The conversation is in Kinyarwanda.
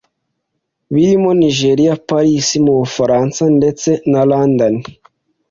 birimo Nigeria, Paris mu Bufaransa ndetse na London